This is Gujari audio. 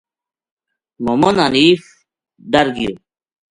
محمد حنیف ڈر گیو